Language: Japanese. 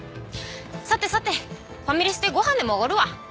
さてさてファミレスでご飯でもおごるわ。